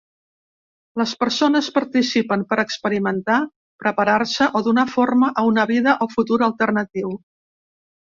Les persones participen per experimentar, preparar-se o donar forma a una vida o futur alternatiu.